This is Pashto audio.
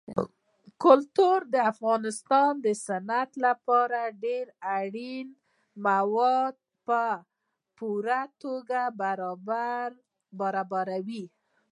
کلتور د افغانستان د صنعت لپاره ډېر اړین مواد په پوره توګه برابروي.